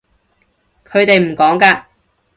佢哋唔趕㗎